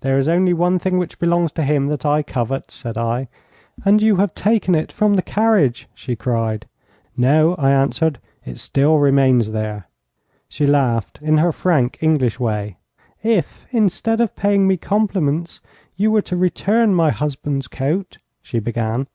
'There is only one thing which belongs to him that I covet,' said I. 'And you have taken it from the carriage,' she cried. 'No,' I answered. 'It still remains there.' She laughed in her frank English way. 'If, instead of paying me compliments, you were to return my husband's coat ' she began.